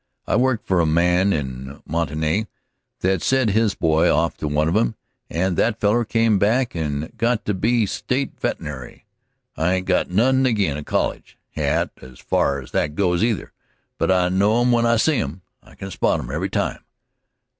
"I worked for a man in Montanny that sent his boy off to one of 'em, and that feller come back and got to be state vet'nary. I ain't got nothing ag'in' a college hat, as far as that goes, neither, but I know 'em when I see 'em I can spot 'em every time.